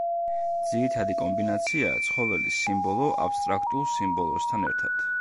ძირითადი კომბინაციაა ცხოველის სიმბოლო აბსტრაქტულ სიმბოლოსთან ერთად.